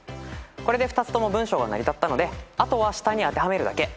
これで２つとも文章が成り立ったのであとは下に当てはめるだけ。